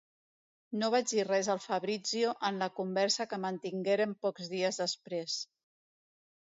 No vaig dir res al Fabrizio en la conversa que mantinguérem pocs dies després.